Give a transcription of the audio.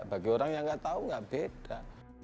bagi orang yang tidak tahu tidak beda